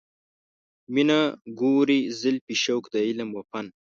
مینه، ګورې زلفې، شوق د علم و فن